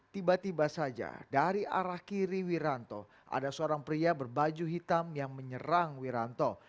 tiba tiba saja dari arah kiri wiranto ada seorang pria berbaju hitam yang menyerang wiranto